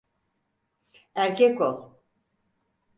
Erkek ol!